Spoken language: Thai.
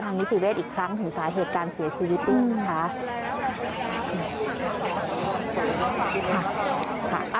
ทางนี้พิเวศอีกครั้งถึงสายเหตุการณ์เสียชีวิตอื่นนะคะ